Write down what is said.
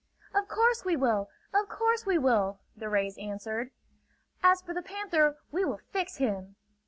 "Of course we will! Of course we will!" the rays answered. "As for the panther, we will fix him!"